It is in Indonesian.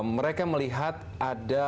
mereka melihat ada